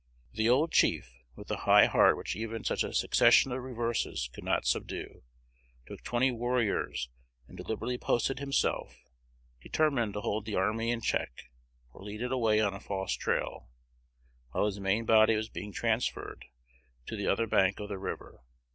The old chief, with the high heart which even such a succession of reverses could not subdue, took twenty warriors and deliberately posted himself, determined to hold the army in check or lead it away on a false trail, while his main body was being transferred to the other bank of the river.